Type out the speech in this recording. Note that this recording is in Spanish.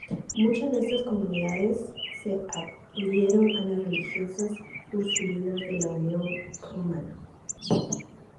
Muchas de estas comunidades se adhirieron a las Religiosas Ursulinas de la Unión Romana.